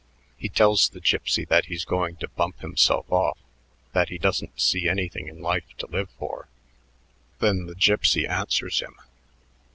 He tells the Gipsy that he's going to bump himself off, that he doesn't see anything in life to live for. Then the Gipsy answers him.